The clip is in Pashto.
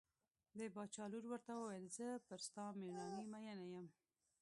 د باچا لور ورته وویل زه پر ستا مېړانې مینه یم.